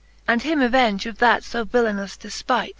And him avenge of that fo villenous defpight.